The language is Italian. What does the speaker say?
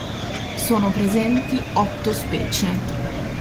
Sono presenti otto specie.